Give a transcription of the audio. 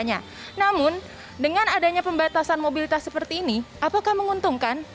namun dengan adanya pembatasan mobilitas seperti ini apakah menguntungkan